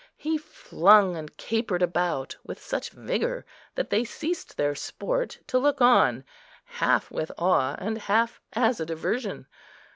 He flung and capered about with such vigour that they ceased their sport to look on, half with awe and half as a diversion.